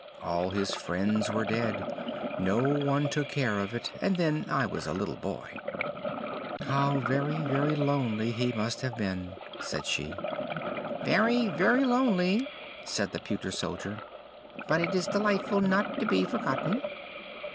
All his friends were dead, no one took care of it, and I was then a little boy!" "How very, very lonely he must have been!" said she. "Very, very lonely!" said the pewter soldier. "But it is delightful not to be forgotten!"